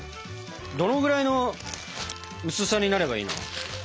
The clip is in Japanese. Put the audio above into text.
どのぐらいの薄さになればいいの？